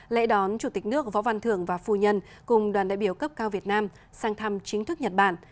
lễ đón chủ tịch nước võ văn thưởng và phu nhân cùng đoàn đại biểu cấp cao việt nam sang thăm chính thức nhật bản